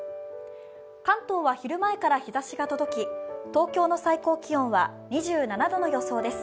関東は昼前から日ざしが届き、東京の最高気温は２７度の予想です。